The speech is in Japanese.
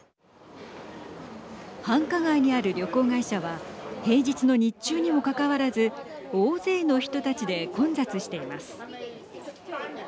繁華街にある旅行会社は平日の日中にもかかわらず大勢の人たちで混雑しています。